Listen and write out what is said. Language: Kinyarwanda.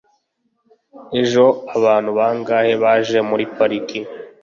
ejo abantu bangahe baje muri pariki